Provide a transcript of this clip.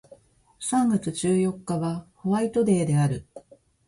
三月十四日はホワイトデーである